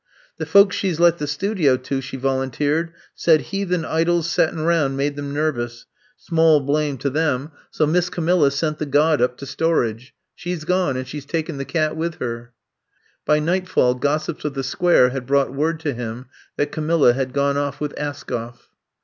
The folks she 's let the studio to," she volunteered, sed heathen idols settin* round made them nervous, small blame to 170 I'VE COMB TO STAT them, so Miss Camilla sent the god up to storage. She 's gone, and she 's taken the cat with her. By nightfall gossips of the Sqnare had brought word to him that Camilla had gone off with Askoff.